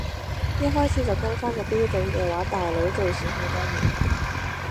一開始就跟返個標準嘅話大佬做少好多嘢